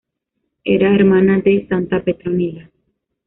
Era hermana de Santa Petronila.